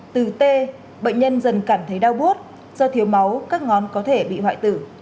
từ t bệnh nhân dần cảm thấy đau bút do thiếu máu các ngón có thể bị hoại tử